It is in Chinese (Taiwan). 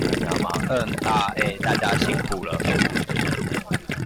嗯、啊、欸。大家辛苦了